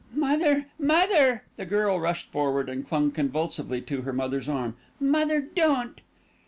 "Mother! mother!" The girl rushed forward and clung convulsively to her mother's arm. "Mother, don't!"